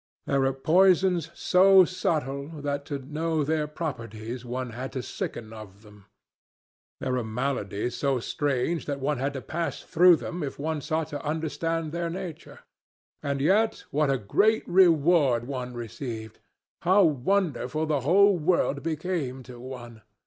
There were poisons so subtle that to know their properties one had to sicken of them. There were maladies so strange that one had to pass through them if one sought to understand their nature. And, yet, what a great reward one received! How wonderful the whole world became to one!